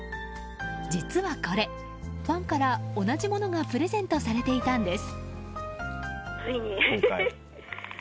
実はこれ、ファンから同じものがプレゼントされていたんです。